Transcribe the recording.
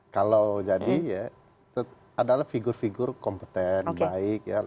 kalau jadi ya adalah figur figur kompeten baik ya